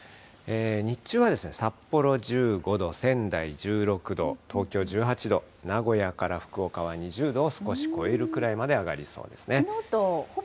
日中はですね、札幌１５度、仙台１６度、東京１８度、名古屋から福岡は２０度を少し超えるぐらいまで上がりそうですね。